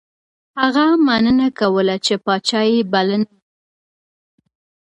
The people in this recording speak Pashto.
هغه مننه کوله چې پاچا یې بلنه منلې ده.